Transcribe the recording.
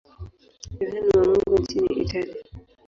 Yohane wa Mungu nchini Italia.